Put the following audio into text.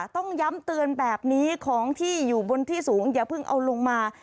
ต้องย้ำเตือนแบบนี้ของที่อยู่บนที่สูงอย่าเพิ่งเอาลงมา